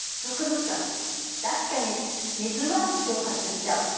確かに水は蒸発しちゃう。